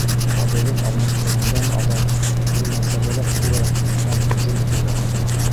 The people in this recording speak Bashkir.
Ҡабығын алмаштырғандан аҙаҡ ул насарыраҡ күрә һәм һөжүм итергә ҡабалана.